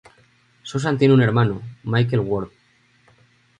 Susan tiene un hermano, Michael Ward.